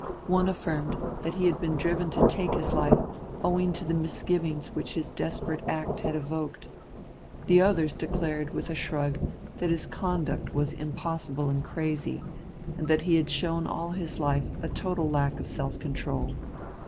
One affirmed that he had been driven to take his life owing to the misgivings which his desperate act had evoked: the others declared with a shrug that his conduct was impossible and crazy, and that he had shown all his life a total lack of self control.